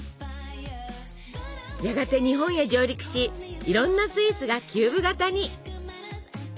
やがて日本へ上陸しいろんなスイーツがキューブ型に！